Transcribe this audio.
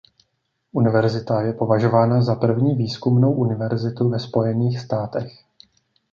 Univerzita je považována za první výzkumnou univerzitu ve Spojených státech.